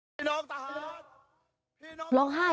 นี่ค่ะ